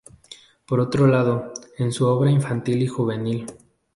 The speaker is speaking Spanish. Por otro lado, en su obra infantil y juvenil.